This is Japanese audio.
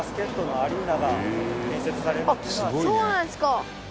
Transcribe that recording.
あっそうなんですか！